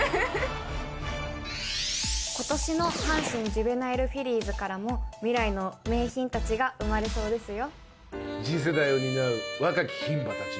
今年の阪神ジュベナイルフィリーズからも未来の名牝達が生まれそうですよ